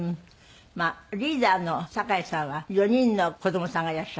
リーダーの酒井さんは４人の子どもさんがいらっしゃる？